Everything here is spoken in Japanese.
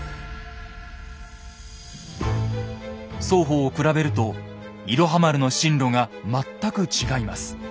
双方を比べると「いろは丸」の進路が全く違います。